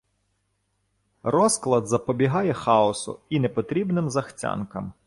Розклад запобігає хаосу і непотрібним захцянкам.